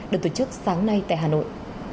được tổ chức sáng nay tại hà nội